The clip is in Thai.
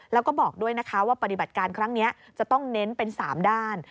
แล้วก็บอกด้วยนะคะว่าปฏิบัติการครั้งนี้จะต้องเน้นเป็น๓ด้าน